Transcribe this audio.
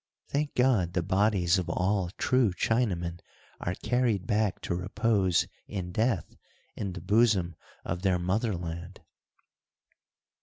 "Thank God, the bodies of all true Chinamen are carried back to repose in death in the bosom of their mother land."